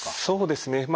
そうですね。